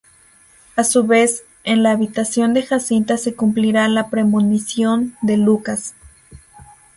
A su vez, en la habitación de Jacinta se cumplirá la premonición de Lucas.